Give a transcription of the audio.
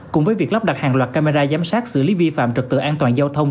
cùng với việc lắp đặt hàng loạt camera giám sát xử lý vi phạm trật tự an toàn giao thông